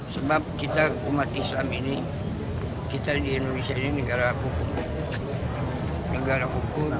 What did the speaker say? sebab kita umat islam ini kita di indonesia ini negara kukuh